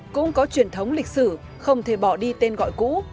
cũng có truyền thống lịch sử không thể bỏ đi tên gọi cũ